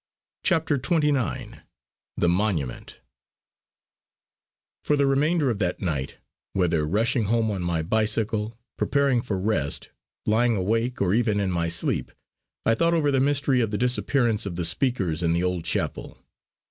CHAPTER XXIX THE MONUMENT For the remainder of that night, whether rushing home on my bicycle, preparing for rest, lying awake, or even in my sleep, I thought over the mystery of the disappearance of the speakers in the old chapel.